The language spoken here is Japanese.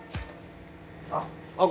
あっ。